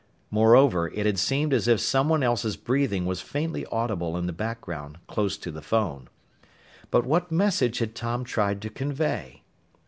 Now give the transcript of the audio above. Moreover, it had seemed as if someone else's breathing was faintly audible in the background, close to the phone. _But what message had Tom tried to convey?